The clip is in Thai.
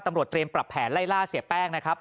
ตำรวจเตรนปรับแผนไล่ล่าเสียแป้ง